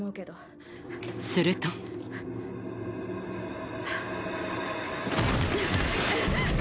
するとハァ。